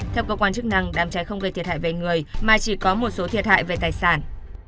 theo cơ quan chức năng đám cháy không gây thiệt hại về người mà chỉ có một số thiệt hại về tài sản